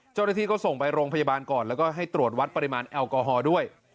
เจ้าหน้าที่ก็ส่งไปโรงพยาบาลก่อนแล้วก็ให้ตรวจวัดปริมาณแอลกอฮอล์ด้วย